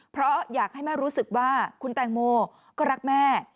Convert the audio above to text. เพราะอยากให้แม่รู้สึกว่าคุณแตงโมก็รักแม่